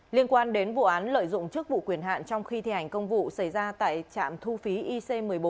liên quan đến vụ án lợi dụng chức vụ quyền hạn trong khi thi hành công vụ xảy ra tại trạm thu phí ic một mươi bốn